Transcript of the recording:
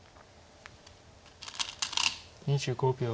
２５秒。